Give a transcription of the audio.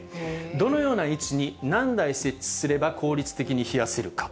どのような位置に何台設置すれば効率的に冷やせるか。